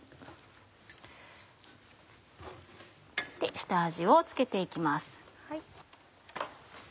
下味を付けて行きます。